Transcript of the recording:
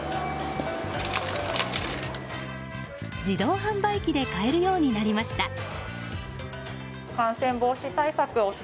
自動販売機で買えるようになりました。